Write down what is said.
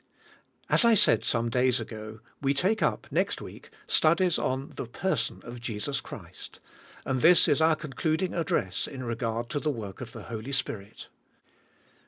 As I said some days ago, we take up, next week, studies on "The person of Jesus Christ," and this is our concluding" address in reg'ard to the work of the Holy Spirit.